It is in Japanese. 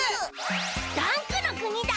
ダンクの国だ